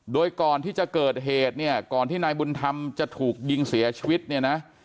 โดยก่อนที่จะเกิดเหตุเนี่ยก่อนที่นายบุญธรรมจะถูกยิงเสียชีวิตเนี่ยนะ